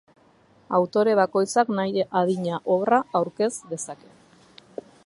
Autore bakoitzak nahi adina obra aurkez dezake.